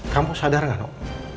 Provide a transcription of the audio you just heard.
kamu sadar gak noh